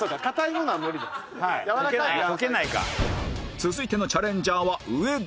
続いてのチャレンジャーは上田